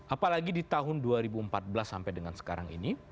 apalagi di tahun dua ribu empat belas sampai dengan sekarang ini